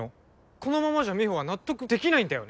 このままじゃ美帆は納得できないんだよね？